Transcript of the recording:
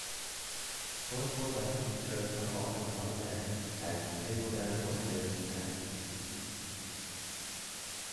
Portable light fixtures are often called "lamps", as in table lamp or desk lamp.